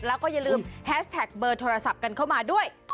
แล้วก็อย่าลืมแฮชแท็กเบอร์โทรศัพท์กันเข้ามาด้วย